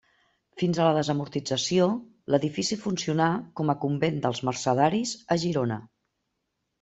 Fins a la Desamortització, l'edifici funcionà com a convent dels Mercedaris a Girona.